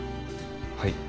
はい。